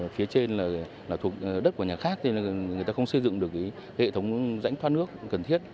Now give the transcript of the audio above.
phía trên là thuộc đất của nhà khác người ta không xây dựng được hệ thống rãnh thoát nước cần thiết